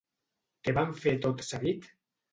Què van fer tot seguit?